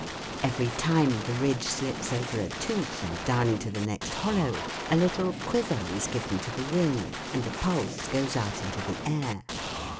Every time the ridge slips over a tooth and down into the next hollow a little quiver is given to the wing, and a pulse goes out into the air.